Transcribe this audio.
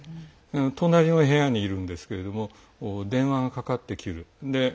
隣の部屋にいるんですけれども電話がかかってくる。